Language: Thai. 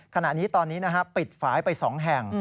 ขณะนี้ตอนนี้ปิดฝ่ายไป๒แห่ง